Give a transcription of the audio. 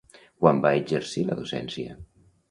Quan va exercir la docència?